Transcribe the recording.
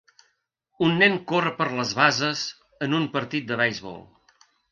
Un nen corre per les bases en un partit de beisbol.